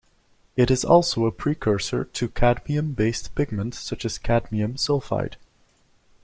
It is also a precursor to cadmium-based pigment such as cadmium sulfide.